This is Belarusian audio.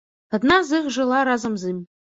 Адна з іх жыла разам з ім.